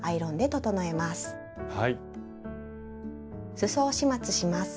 すそを始末します。